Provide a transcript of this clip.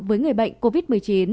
với người bệnh covid một mươi chín